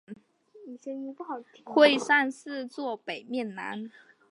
会善寺坐北面南。